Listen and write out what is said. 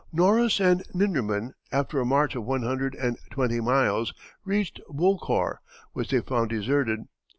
Noros and Nindermann, after a march of one hundred and twenty miles, reached Bulcour, which they found deserted.